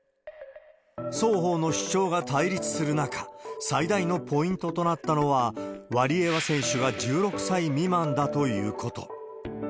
双方の主張が対立する中、最大のポイントとなったのは、ワリエワ選手が１６歳未満だということ。